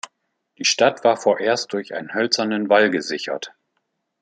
Die Stadt war vorerst durch einen hölzernen Wall gesichert.